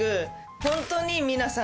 ホントに皆さん